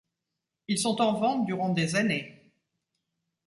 Ils sont en vente durant des années.